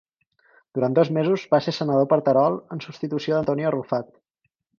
Durant dos mesos va ser senador per Terol en substitució d'Antonio Arrufat.